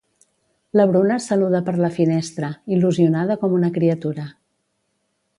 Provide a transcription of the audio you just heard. La Bruna saluda per la finestra, il·lusionada com una criatura.